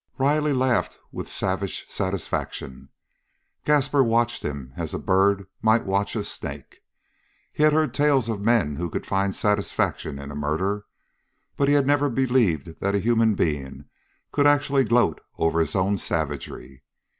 Riley laughed with savage satisfaction. Gaspar watched him as a bird might watch a snake. He had heard tales of men who could find satisfaction in a murder, but he had never believed that a human being could actually gloat over his own savagery.